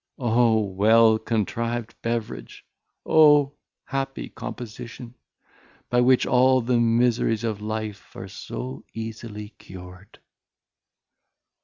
O well contrived beverage! O happy composition, by which all the miseries of life are so easily cured!